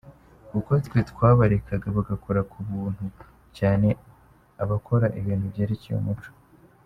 Kuko twe twabarekaga bagakora ku buntu, cyane abakora ibintu byerekeye umuco.